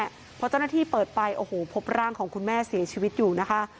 เพราะเจ้าหน้าที่เปิดไปโอ้โหพบร่างของคุณแม่เสียชีวิตอยู่นะคะ